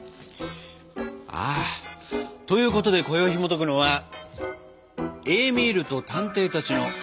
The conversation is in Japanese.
あということでこよいひもとくのは「エーミールと探偵たち」のさくらんぼケーキ。